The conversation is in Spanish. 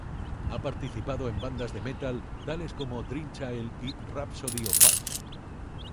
Ha participado en bandas de metal tales como Dream Child y Rhapsody Of Fire.